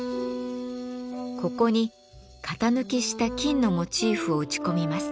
ここに型抜きした金のモチーフを打ち込みます。